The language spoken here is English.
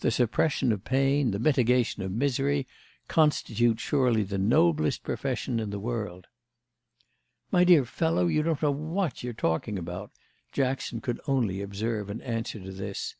The suppression of pain, the mitigation of misery, constitute surely the noblest profession in the world." "My dear fellow, you don't know what you're talking about," Jackson could only observe in answer to this.